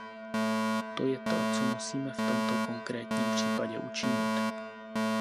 To je to, co musíme v tomto konkrétním případě učinit.